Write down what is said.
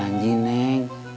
abang janji neng